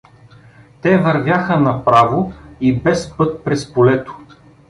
Те вървяха направо и без път през полето.